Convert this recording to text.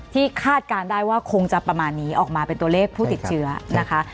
คาดการณ์ได้ว่าคงจะประมาณนี้ออกมาเป็นตัวเลขผู้ติดเชื้อนะคะ